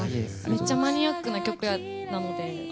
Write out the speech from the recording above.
めっちゃマニアックな曲やったので。